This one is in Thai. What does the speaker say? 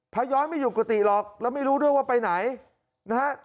ย้อยไม่อยู่กุฏิหรอกแล้วไม่รู้ด้วยว่าไปไหนนะฮะ